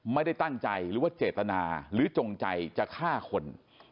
ไม่ได้ตั้งใจหรือว่าเจตนาหรือจงใจจะฆ่าคน